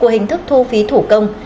của hình thức thu phí thủ công